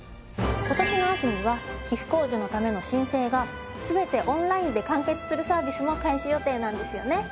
今年の秋には寄付控除のための申請が全てオンラインで完結するサービスも開始予定なんですよね。